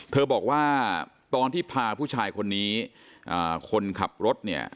บอกว่าตอนที่พาผู้ชายคนนี้คนขับรถเนี่ย